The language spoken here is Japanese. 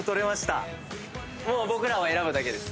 僕らは選ぶだけです。